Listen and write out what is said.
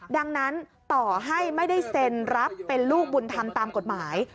ดังนั้นต่อให้ไม่ได้เซ็นรับเป็นลูกบุญธรรมตามกฎหมาย